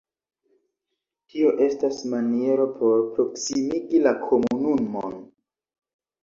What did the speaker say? Tio estas maniero por proksimigi la komunumon.